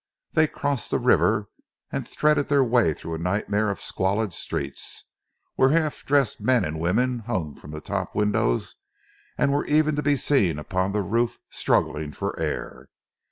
They crossed the river and threaded their way through a nightmare of squalid streets, where half dressed men and women hung from the top windows and were even to be seen upon the roof, struggling for air.